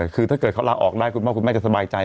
คือถ้าเกิดเขาลาออกได้คุณพ่อคุณแม่จะสบายใจ